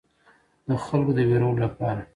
د خلکو د ویرولو لپاره.